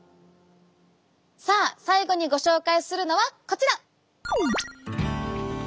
さあ最後にご紹介するのはこちら。